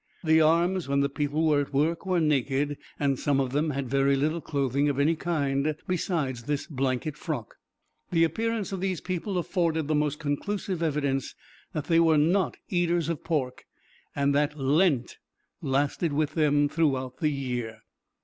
The arms, when the people were at work, were naked, and some of them had very little clothing of any kind besides this blanket frock. The appearance of these people afforded the most conclusive evidence that they were not eaters of pork, and that lent lasted with them throughout the year.